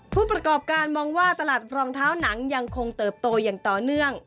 ผู้ประกอบการมองว่าตลาดรองเท้าหนังยังคงเติบโตอย่างต่อเนื่อง